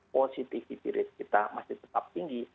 positivity rate kita masih tetap tinggi